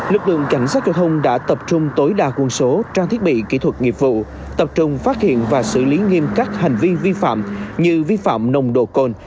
lực lượng cảnh sát giao thông đã tập trung tối đa quân số trang thiết bị kỹ thuật nghiệp vụ tập trung phát hiện và xử lý nghiêm các hành vi vi phạm như vi phạm nồng độ cồn